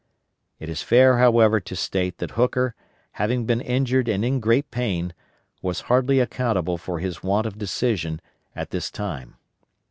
It is fair, however, to state that Hooker, having been injured and in great pain, was hardly accountable for his want of decision at this time.